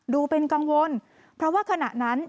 ดูเป็นกังวลเพราะว่าขณะนั้น